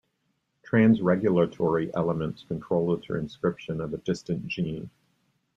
Trans-regulatory elements control the transcription of a distant gene.